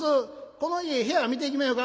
この家部屋見ていきまひょか」。